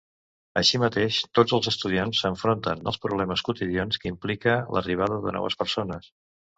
Així mateix, tots els estudiants s'enfronten als problemes quotidians que implica l'arribada de noves persones.